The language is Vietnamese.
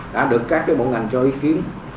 đã được các cái bộ ngành cho ý kiến